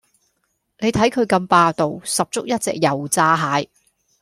你睇佢咁霸道，十足一隻油炸蟹